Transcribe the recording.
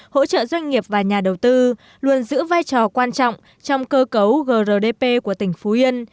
hỗ trợ doanh nghiệp và nhà đầu tư luôn giữ vai trò quan trọng trong cơ cấu grdp của tỉnh phú yên